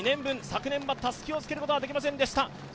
昨年はたすきをつけることができませんでした。